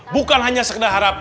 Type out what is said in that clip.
bukan hanya sekedar harap